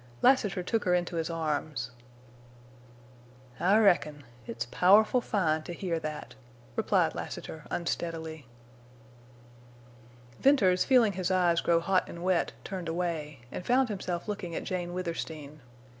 Lassiter took her into his arms. "I reckon. It's powerful fine to hear that," replied Lassiter, unsteadily. Venters, feeling his eyes grow hot and wet, turned away, and found himself looking at Jane Withersteen.